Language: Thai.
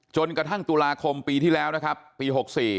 จนกระทั่งตุลาคมปีที่แล้วนะครับปี๖๔